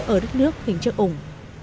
ở đất nước hình chất ủng